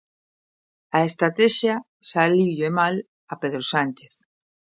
A estratexia saíulle mal a Pedro Sánchez.